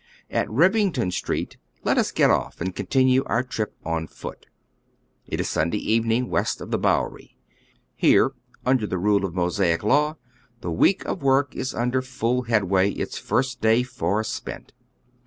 At Eivington Street let us get off and continue our trip on foot. It is Sunday evening west of the Bowery. Here, under the rule of Mosaic law, the week of work is under full headway, its first day far spent.